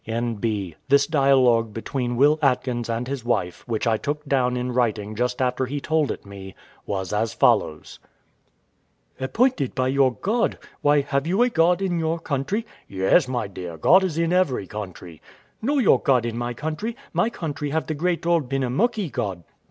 N.B. This dialogue between Will Atkins and his wife, which I took down in writing just after he told it me, was as follows: Wife. Appointed by your God! Why, have you a God in your country? W.A. Yes, my dear, God is in every country. Wife. No your God in my country; my country have the great old Benamuckee God.